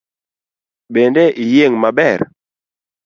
Bende iyieng’ maber?